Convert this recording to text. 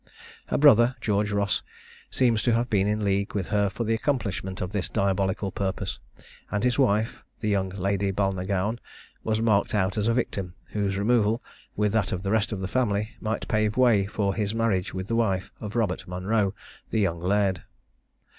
Her brother, George Ross, seems to have been in league with her for the accomplishment of this diabolical purpose, and his wife, the young Lady Balnagown, was marked out as a victim, whose removal, with that of the rest of the family, might pave the way for his marriage with the wife of Robert Monro, the young laird.